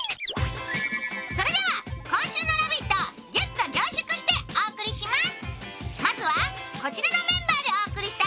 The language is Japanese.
それでは、今週のラヴィット！をぎゅっと凝縮してお送りします。